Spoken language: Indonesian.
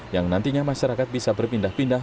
yang nantinya masyarakat bisa berpindah pindah